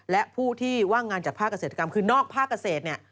และผู้ที่ว่างงานจากภาคเกษตรกรรมคือนอกภาคเกษตรเนี่ย